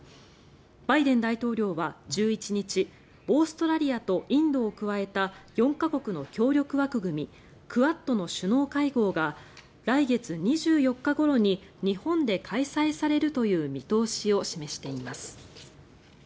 バイデン大統領は１１日オーストラリアとインドを加えた４か国の協力枠組みクアッドの首脳会合が来月２４日ごろに日本で開催されるという見通しを示しています。